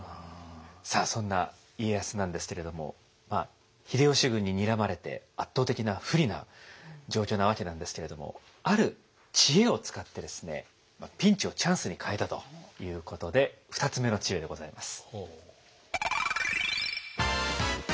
さあそんな家康なんですけれども秀吉軍ににらまれて圧倒的な不利な状況なわけなんですけれどもある知恵を使ってですねピンチをチャンスに変えたということで２つ目の知恵でございます。